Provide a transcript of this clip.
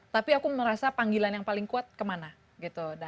tapi aku merasa panggilan yang paling kuat kemana gitu